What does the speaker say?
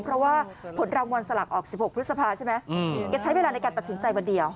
เพราะว่าผลรางวัลสลากออก๑๖พฤษภาใช่ไหมแกใช้เวลาในการตัดสินใจวันเดียว